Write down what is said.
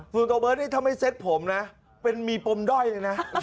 ตัวเบิร์ตนี่ถ้าไม่เซ็ตผมนะมีปมด้อยเลยนะ